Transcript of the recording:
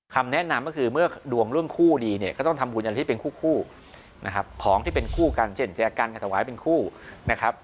คำแนะนำก็คือเมื่อดวงเรื่องคู่ดีเนี่ยก็ต้องทำบุญยันที่เป็นคู่นะครับของที่เป็นคู่กันเช่นแจกันกับถวายเป็นคู่นะครับ